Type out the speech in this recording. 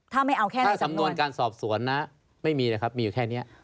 ถ้าสำนวนการสอบสวนนะไม่มีเลยครับมีอยู่แค่นี้